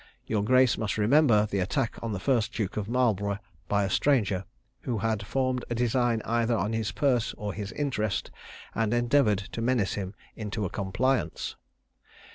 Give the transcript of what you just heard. Your grace must remember the attack on the first Duke of Marlborough by a stranger, who had formed a design either on his purse or his interest, and endeavoured to menace him into a compliance."